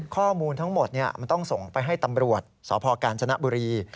ข้อมูลทั้งหมดมันต้องส่งไปให้ตำรวจสพกาญจนบุรี